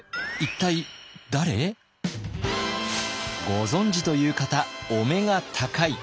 ご存じという方お目が高い！